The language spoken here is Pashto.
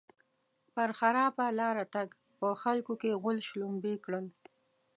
پر خراپه لاره تګ؛ په خلګو کې غول شلومبی کړل.